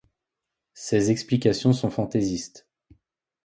Ces explications sont fantaisistes.